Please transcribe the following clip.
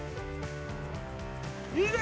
いいね！